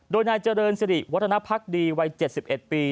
โดยนายเจริญสิริวัฒนภักดีวัย๗๑ปี